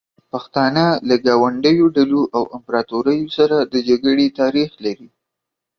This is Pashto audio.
پښتانه له ګاونډیو ډلو او امپراتوریو سره د جګړو تاریخ لري.